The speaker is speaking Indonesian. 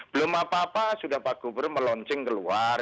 belum apa apa sudah pak gubernur melaunching keluar